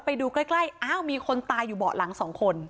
ไปดูใกล้มีคนตายอยู่เบาะหลัง๒คน